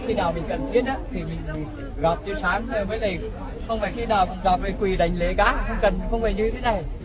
khi nào mình cần thiết thì mình gặp chiều sáng không phải khi nào cũng gặp quỳ đánh lễ gá không cần không phải như thế này